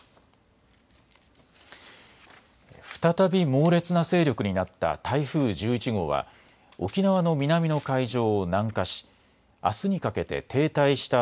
再び猛烈な勢力になった台風１１号は沖縄の南の海上を南下し、あすにかけて停滞した